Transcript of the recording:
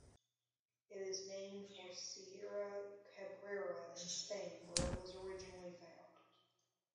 It is named for Sierra Cabrera in Spain where it was originally found.